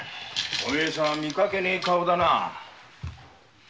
お前さん見かけねえ顔だな。